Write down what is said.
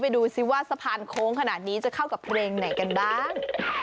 ดูสิว่าสะพานโค้งขนาดนี้จะเข้ากับเพลงไหนกันบ้าง